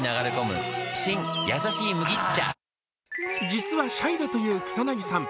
実はシャイだという草なぎさん。